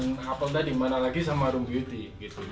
dari bahan apel tadi mana lagi sama room beauty